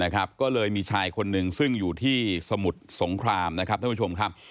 ก็เลยมีชายคนหนึ่งซึ่งอยู่ที่สมุทรสงครามนะครับท่านผู้ชมครับ